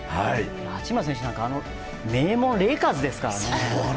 八村選手なんて名門レイカーズですからね。